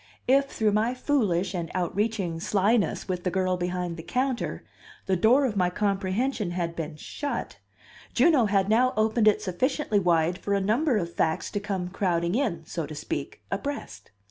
If, through my foolish and outreaching slyness with the girl behind the counter, the door of my comprehension had been shut, Juno had now opened it sufficiently wide for a number of facts to come crowding in, so to speak, abreast.